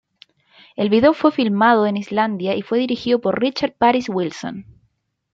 El video fue filmado en Islandia y fue dirigido por Richard Paris Wilson.